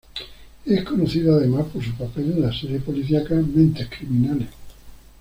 Es conocido además por su papel en la serie policíaca "Mentes Criminales".